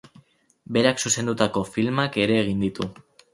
Berak zuzendutako filmak ere egin ditu.